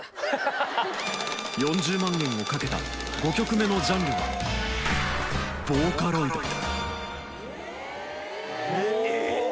４０万円を懸けた５曲目のジャンルはえぇ？